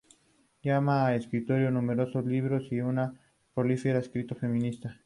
Lamas ha escrito numerosos libros y es una prolífica escritora feminista.